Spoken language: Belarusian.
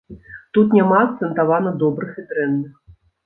Тут няма акцэнтавана добрых і дрэнных.